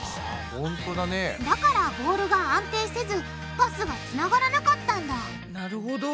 だからボールが安定せずパスがつながらなかったんだなるほど。